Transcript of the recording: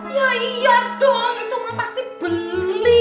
iya dong pasti beli